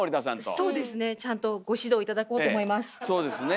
そうですねちゃんとご指導頂こうと思います。